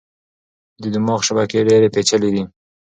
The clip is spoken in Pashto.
د دماغ شبکې ډېرې پېچلې دي.